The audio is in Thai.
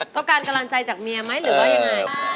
ต้องการกำลังใจจากเมียไหมหรือว่ายังไง